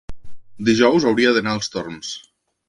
dijous hauria d'anar als Torms.